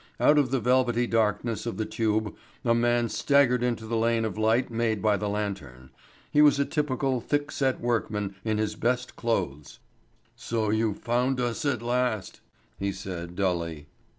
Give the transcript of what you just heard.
Out of the velvety darkness of the tube a man staggered into the lane of light made by the lantern. He was a typical, thick set workman, in his best clothes. "So you've found us at last," he said dully.